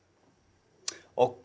ＯＫ